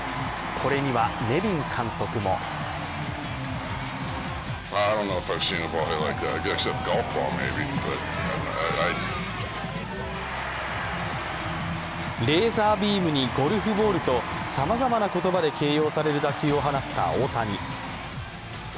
これには、ネビン監督もレーザービームにゴルフボールとさまざまな言葉で形容される打球を放った大谷。